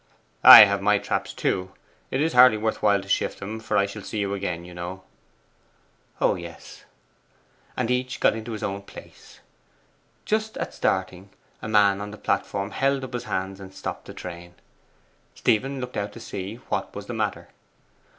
'I have my traps too. It is hardly worth while to shift them, for I shall see you again, you know.' 'Oh, yes.' And each got into his own place. Just at starting, a man on the platform held up his hands and stopped the train. Stephen looked out to see what was the matter.